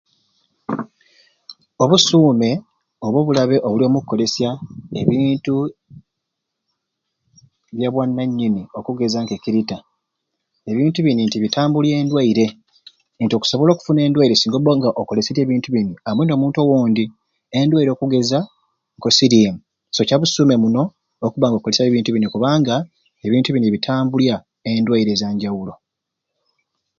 Obusuume oba obulabe obuli omu kolesya ebintu bya bwananyini okugeza nke kirita ebinti bini nti bitambulya endwaire nti okusobola okufuna endweire singa oba ga okoleserye ebintu bini amwei nomuntu owondi ayina endweire okugeza nko sirimu so kyabuume muno okuba nga okolesya ebintu bini kubanga ebintu bini bitambulya endwaire ezanjawulo